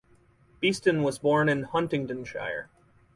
Beeston was born in Huntingdonshire.